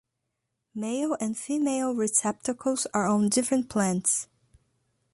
Male and female receptacles are on different plants.